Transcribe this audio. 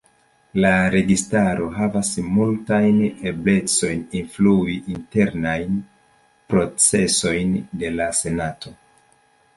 La registaro havas multajn eblecojn influi internajn procesojn de la senato.